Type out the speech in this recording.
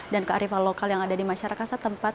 dan kearifal lokal yang ada di masyarakat setempat